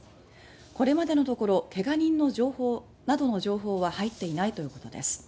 これまでのところけが人などの情報は入っていないということです。